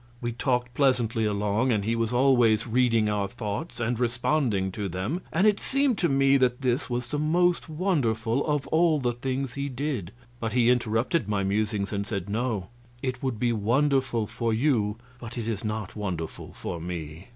We talked pleasantly along, and he was always reading our thoughts and responding to them, and it seemed to me that this was the most wonderful of all the things he did, but he interrupted my musings and said: "No, it would be wonderful for you, but it is not wonderful for me.